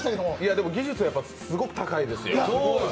でも技術はすごく高いですよ。